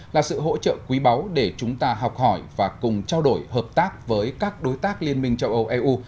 là sự hỗ trợ quý báu để chúng ta học hỏi và cùng trao đổi hợp tác với các đối tác liên minh châu âu eu